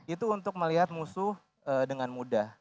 itu untuk melihat musuh dengan mudah